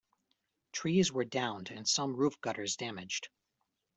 Trees were downed and some roof gutters damaged.